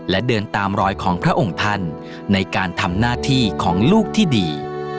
และเดินตามรอยของพระองค์ท่านในการทำหน้าที่ของลูกที่ดี